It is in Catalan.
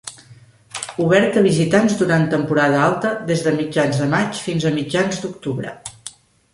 Obert a visitants durant temporada alta des de mitjans de maig fins a mitjans d'octubre.